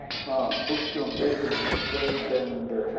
仏教の原点ってことですね。